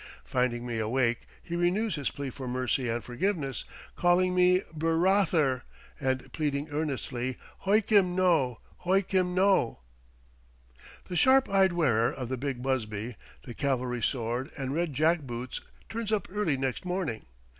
Finding me awake, he renews his plea for mercy and forgiveness, calling me "bur raa ther" and pleading earnestly "Hoikim no, hoikim no!" The sharp eyed wearer of the big busby, the cavalry sword, and red jack boots turns up early next morning.